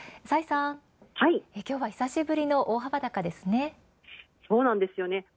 崔さん、今日は久しぶりの大幅高ですね。